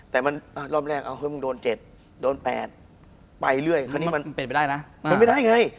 แต่มันรอบแรกเอ้าให้มันโดน๗โดน๘ไปเรื่อยมันเป็นไปได้ไง